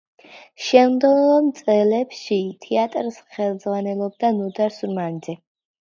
შემდგომ წლებში თეატრს ხელმძღვანელობდა ნოდარ სურმანიძე.